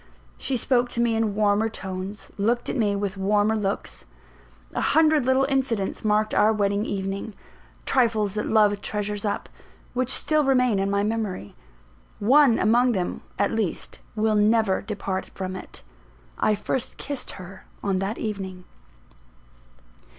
She spoke to me in warmer tones, looked at me with warmer looks. A hundred little incidents marked our wedding evening trifles that love treasures up which still remain in my memory. One among them, at least, will never depart from it: I first kissed her on that evening.